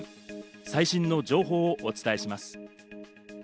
最新の情報をお伝えします。